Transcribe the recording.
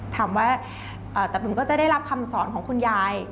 แต่ผมก็จะได้รับคำสอนของคุณยาย